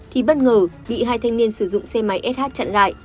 thì bất ngờ bị hai thanh niên sử dụng xe máy sh chặn lại